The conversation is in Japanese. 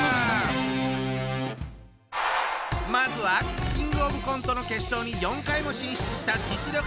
まずはキングオブコントの決勝に４回も進出した実力者。